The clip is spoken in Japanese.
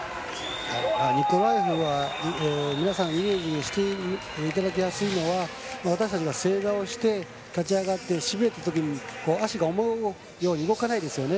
ニコラエフは皆さんイメージしていただきやすいのは私たちが正座をして立ち上がってしびれたときに足が思うように動かないですよね。